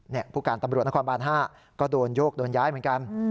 ผู้การตำรวจนครบาน๕ก็โดนโยกโดนย้ายเหมือนกัน